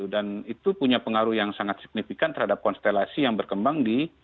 dan itu punya pengaruh yang sangat signifikan terhadap konstelasi yang berkembang di